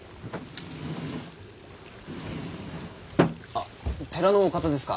あ寺のお方ですか。